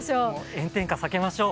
炎天下、避けましょう。